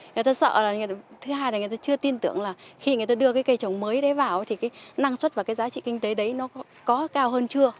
người ta sợ là thứ hai là người ta chưa tin tưởng là khi người ta đưa cái cây trồng mới đấy vào thì cái năng suất và cái giá trị kinh tế đấy nó có cao hơn chưa